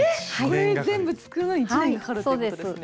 これ全部作るのに１年かかるっていうことですね。